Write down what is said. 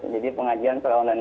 jadi pengajian secara online